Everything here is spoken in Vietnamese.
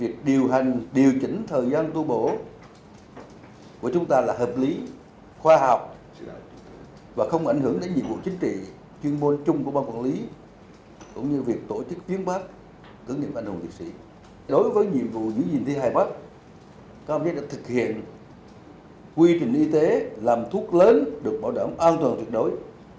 các công trình đã thực hiện quy trình y tế làm thuốc lớn được bảo đảm an toàn tuyệt đối